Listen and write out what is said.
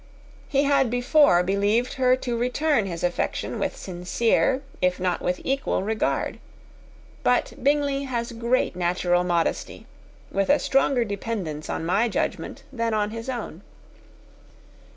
He had before believed her to return his affection with sincere, if not with equal, regard. But Bingley has great natural modesty, with a stronger dependence on my judgment than on his own.